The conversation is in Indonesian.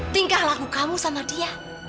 tingkah laku kamu sama dia